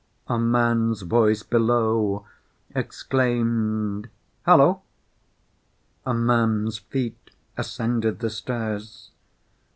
A man's voice below exclaimed "Hullo!" A man's feet ascended the stairs.